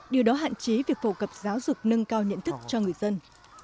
điều đó hạn chế việc phổ cập giáo dục nâng cao nhận thức cho người dân